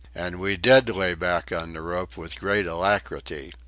And we did lay back on the rope with great alacrity.